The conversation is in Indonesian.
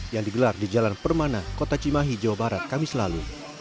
yang digelar di jalan permana kota cimahi jawa barat kamis lalu